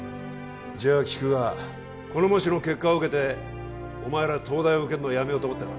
じゃあ聞くがこの模試の結果を受けてお前ら東大を受けんのやめようと思ったか？